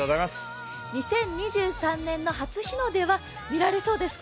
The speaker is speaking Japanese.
２０２３年の初日の出は見られそうですか？